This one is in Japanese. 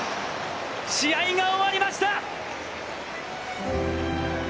試合が終わりました！